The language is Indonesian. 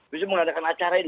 bisa mengadakan acara ini